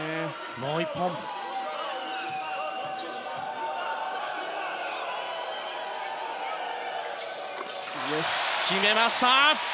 もう１本。決めました！